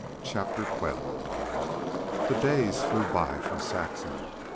CHAPTER XII The days flew by for Saxon.